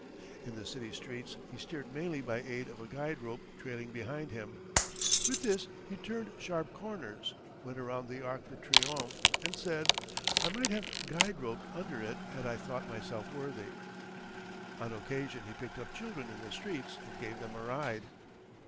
In the city streets he steered mainly by aid of a guide rope trailing behind him. With this he turned sharp corners, went round the Arc de Triomphe, and said: "I might have guide roped under it had I thought myself worthy." On occasion he picked up children in the streets and gave them a ride.